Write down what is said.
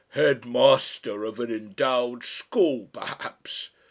"Headmaster of an endowed school, perhaps!"